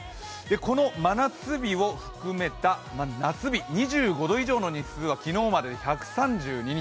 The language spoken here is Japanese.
この真夏日を含めた夏日２５度以上の日数は昨日まで１３２日。